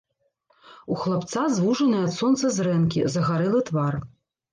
У хлапца звужаныя ад сонца зрэнкі, загарэлы твар.